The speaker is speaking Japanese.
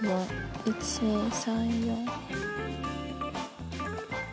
１２３４。